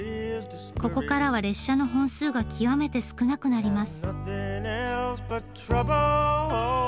ここからは列車の本数が極めて少なくなります。